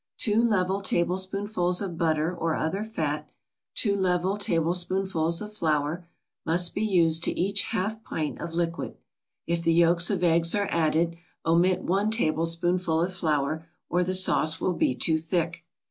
Two level tablespoonfuls of butter or other fat, two level tablespoonfuls of flour, must be used to each half pint of liquid. If the yolks of eggs are added, omit one tablespoonful of flour or the sauce will be too thick.